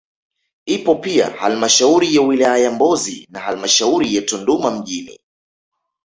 Ipo pia halmashauri ya wilaya ya Mbozi na halmashauri ya Tunduma mjini